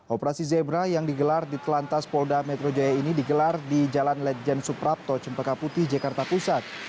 operasi zebra yang digelar di telantas polda metro jaya ini digelar di jalan lejen suprapto cempaka putih jakarta pusat